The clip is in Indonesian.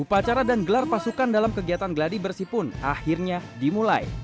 upacara dan gelar pasukan dalam kegiatan gladi bersih pun akhirnya dimulai